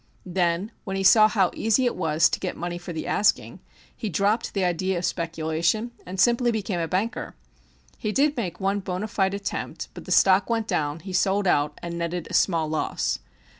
Then when he saw how easy it was to get money for the asking, he dropped the idea of speculation and simply became a banker. He did make one bona fide attempt, but the stock went down, he sold out and netted a small loss.